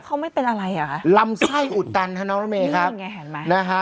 เขาไม่เป็นอะไรอ่ะลำไส้อุดตันครับน้องระเมนะฮะ